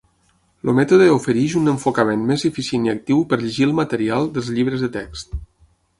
El mètode ofereix un enfocament més eficient i actiu per llegir el material dels llibres de text.